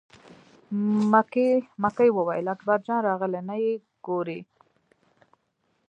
مکۍ وویل: اکبر جان راغلی نه یې ګورې.